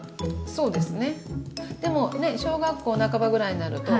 そうですね